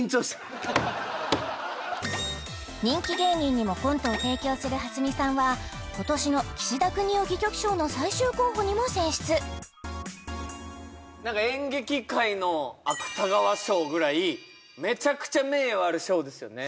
人気芸人にもコントを提供する蓮見さんは今年の岸田國士戯曲賞の最終候補にも選出ぐらいめちゃくちゃ名誉ある賞ですよね